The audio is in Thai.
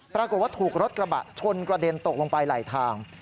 ปรากฏว่าถูกรถกระบะชนกระเด็นตกลงไปไหลทาง